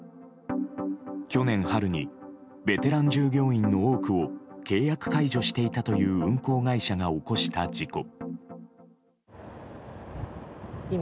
去年春にベテラン従業員の多くを契約解除していたという運航会社が起こした事故。